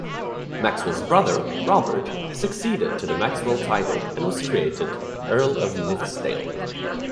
Maxwell's brother, Robert, succeeded to the Maxwell title and was created Earl of Nithsdale.